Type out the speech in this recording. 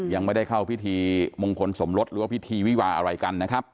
ยังไม่ได้เข้าพิธีมงคลสมรสหรือว่าพิธีวิวาอะไรกันนะครับ